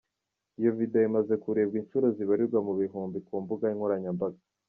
Iyo videwo imaze kurebwa inshuro zibarirwa mu bihumbi ku mbuga nkoranyambaga.